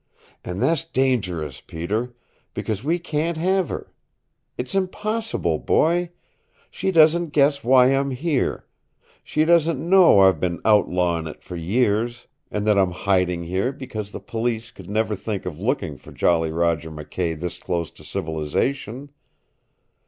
And that's dangerous, Peter, because we can't have her. It's impossible, boy. She doesn't guess why I'm here. She doesn't know I've been outlawin' it for years, and that I'm hiding here because the Police would never think of looking for Jolly Roger McKay this close to civilization.